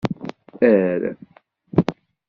Err.